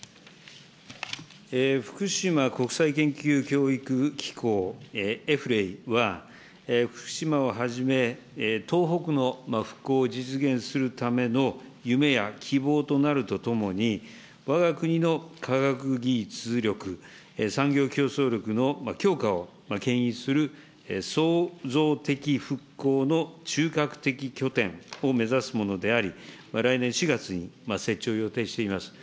福島国際研究教育機構、エフレイは福島をはじめ、東北の復興を実現するための夢や希望となるとともに、わが国の科学技術力、産業競争力の強化をけん引する創造的復興の中核的拠点を目指すものであり、来年４月に設置を予定しています。